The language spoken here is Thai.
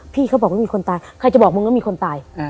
พี่เขาบอกว่ามีคนตาย